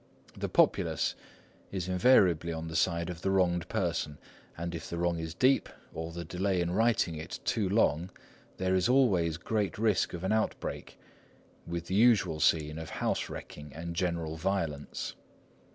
The populace is invariably on the side of the wronged person; and if the wrong is deep, or the delay in righting it too long, there is always great risk of an outbreak, with the usual scene of house wrecking and general violence.